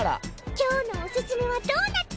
今日のオススメはドーナッツ。